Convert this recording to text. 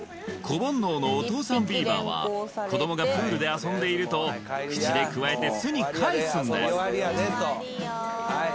子煩悩のお父さんビーバーは子どもがプールで遊んでいると口でくわえて巣に帰すんですはい